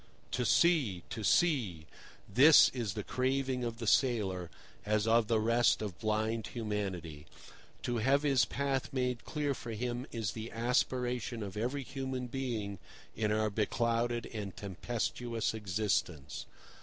To see! to see!—this is the craving of the sailor, as of the rest of blind humanity. To have his path made clear for him is the aspiration of every human being in our beclouded and tempestuous existence.